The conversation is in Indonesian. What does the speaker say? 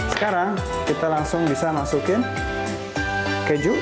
sekarang kita langsung bisa masukin keju